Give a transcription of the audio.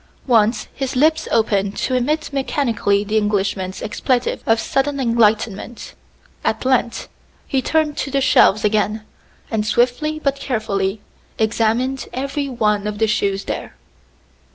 Once his lips opened to emit mechanically the Englishman's expletive of sudden enlightenment. At length he turned to the shelves again, and swiftly but carefully examined every one of the shoes there.